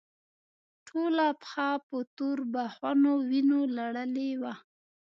ټوله پښه په توربخونو وينو لړلې وه.